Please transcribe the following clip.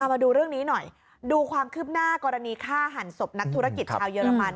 มาดูเรื่องนี้หน่อยดูความคืบหน้ากรณีฆ่าหันศพนักธุรกิจชาวเยอรมัน